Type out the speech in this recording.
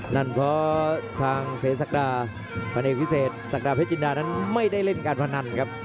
นั่นเพราะทางเสศักดาพันเอกพิเศษศักดาเพชรจินดานั้นไม่ได้เล่นการพนันครับ